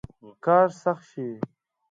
کار سخت شي.